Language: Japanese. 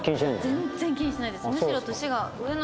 全然気にしないです。